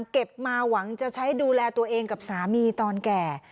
เก็บมาหวังจะใช้ดูแลตัวเองกับสามีตอนแก่